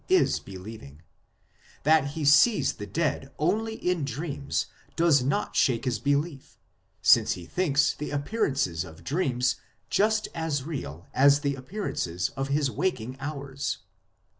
192 IMMORTALITY AND THE UNSEEN WORLD is believing ; that he sees the dead only in dreams does not shake his belief, since he thinks the appearances of dreams just as real as the appearances of his waking hours."